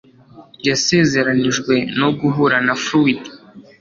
yasezeranijwe no guhura na fluid